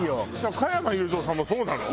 加山雄三さんもそうなの？